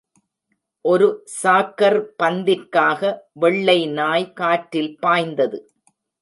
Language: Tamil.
ஒரு சாக்கர் பந்திற்காக வெள்ளை நாய் காற்றில் பாய்ந்தது.